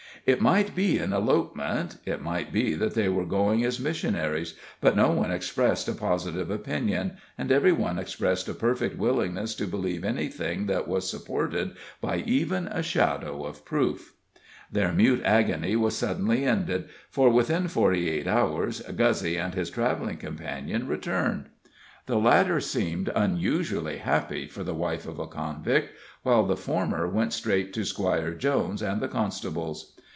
It might be an elopement it might be that they were going as missionaries; but no one expressed a positive opinion, and every one expressed a perfect willingness to believe anything that was supported by even a shadow of proof. Their mute agony was suddenly ended, for within forty eight hours Guzzy and his traveling companion returned. The latter seemed unusually happy for the wife of a convict, while the former went straight to Squire Jones and the constable's.